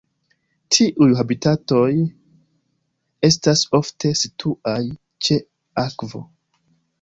Tiuj habitatoj estas ofte situaj ĉe akvo.